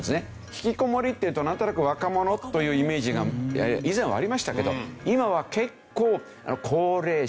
ひきこもりっていうとなんとなく若者というイメージが以前はありましたけど今は結構高齢者という人たちが多い。